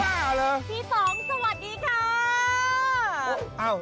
พี่สองสวัสดีค่ะ